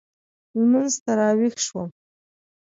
لمونځ ته راوېښ شوم.